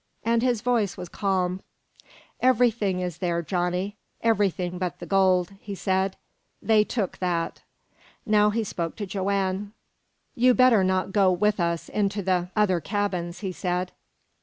And his voice was calm. "Everything is there, Johnny everything but the gold," he said. "They took that." Now he spoke to Joanne. "You better not go with us into the other cabins," he said.